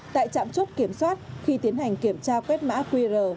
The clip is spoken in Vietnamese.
tại trạm chốt kiểm soát khi tiến hành kiểm tra quét mã qr